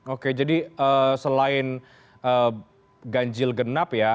oke jadi selain ganjil genap ya